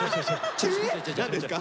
何ですか？